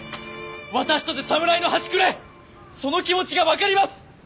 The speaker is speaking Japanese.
私とて侍の端くれその気持ちが分かります！